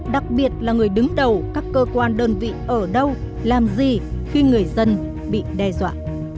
đặc biệt là người đứng đầu các cơ quan đơn vị ở đâu làm gì khi người dân bị đe dọa